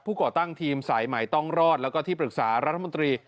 ก่อตั้งทีมสายใหม่ต้องรอดแล้วก็ที่ปรึกษารัฐมนตรี